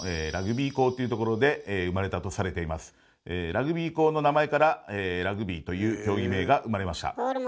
ラグビー校の名前から「ラグビー」という競技名が生まれました。